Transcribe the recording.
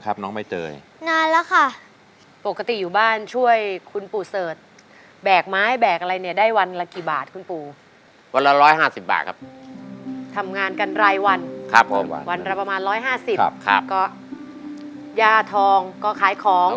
ขายได้ไม่ได้ก็ต้องเก็บไว้ให้เขาค่ะ